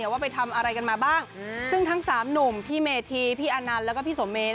ว่าไปทำอะไรกันมาบ้างซึ่งทั้งสามหนุ่มพี่เมธีพี่อานันต์แล้วก็พี่สมเมน